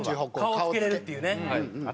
顔付けれるっていうね。